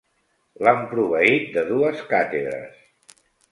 L'han proveït de dues càtedres.